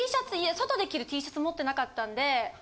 外で着るＴシャツ持ってなかったんで。